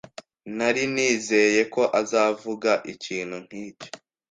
Nari nizeye ko uzavuga ikintu nkicyo.